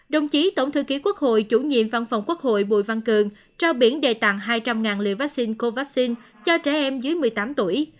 đồng chí tổng thư ký quốc hội chủ nhiệm văn phòng quốc hội bùi văn cường trao biển đề tặng hai trăm linh liều vaccine covid cho trẻ em dưới một mươi tám tuổi